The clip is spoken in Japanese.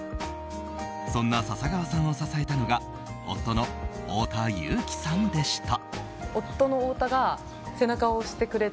そんな笹川さんを支えたのが夫の太田雄貴さんでした。